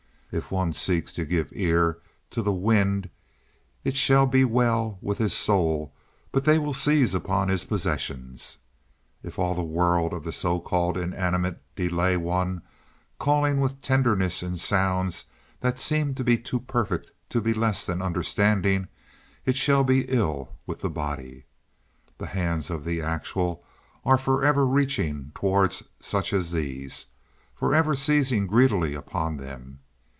If one seeks to give ear to the winds, it shall be well with his soul, but they will seize upon his possessions. If all the world of the so called inanimate delay one, calling with tenderness in sounds that seem to be too perfect to be less than understanding, it shall be ill with the body. The hands of the actual are forever reaching toward such as these—forever seizing greedily upon them.